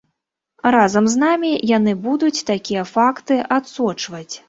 Разам з намі яны будуць такія факты адсочваць.